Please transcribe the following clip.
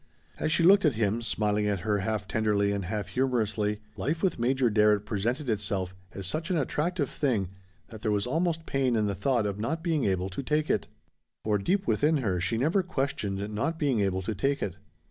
As she looked at him, smiling at her half tenderly and half humorously, life with Major Darrett presented itself as such an attractive thing that there was almost pain in the thought of not being able to take it. For deep within her she never questioned not being able to take it.